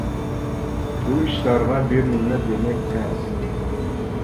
بۇ ئىشلارغا بىر نېمە دېمەك تەس.